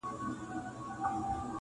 هغې ته هر څه بند ښکاري او فکر ګډوډ وي-